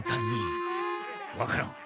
分からん。